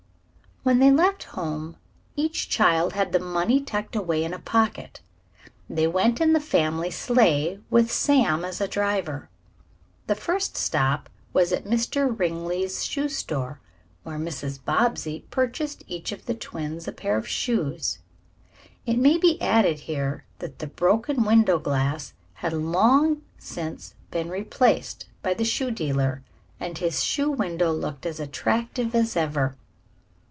When they left home each child had the money tucked away in a pocket. They went in the family sleigh, with Sam as a driver. The first stop was at Mr. Ringley's shoe store, where Mrs. Bobbsey purchased each of the twins a pair of shoes. It may be added here, that the broken window glass had long since been replaced by the shoe dealer, and his show window looked as attractive as ever.